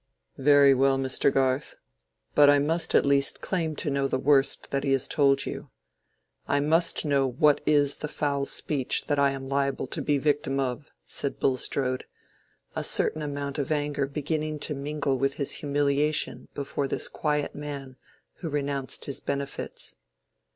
"Very well, Mr. Garth. But I must at least claim to know the worst that he has told you. I must know what is the foul speech that I am liable to be the victim of," said Bulstrode, a certain amount of anger beginning to mingle with his humiliation before this quiet man who renounced his benefits.